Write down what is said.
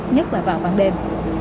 nhất là vào bản đêm